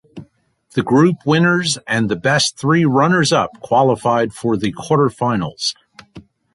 The group winners and the best three runners-up qualified for the quarterfinals.